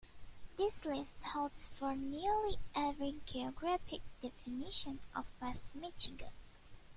This list holds for nearly every geographic definition of West Michigan.